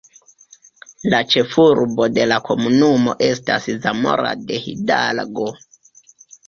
La ĉefurbo de la komunumo estas Zamora de Hidalgo.